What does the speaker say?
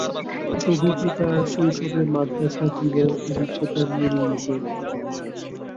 ছবিটি তার শৈশবে মাদ্রাসা জীবনের অভিজ্ঞতা নিয়ে নির্মিত।